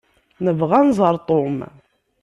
Nebɣa ad nẓer Tom.